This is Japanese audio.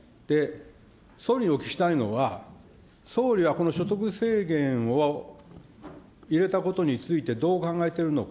総理にお聞きしたいのは、総理はこの所得制限を入れたことについてどう考えているのか。